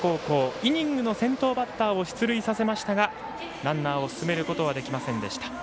イニングの先頭バッターを出塁させましたがランナーを進めることはできませんでした。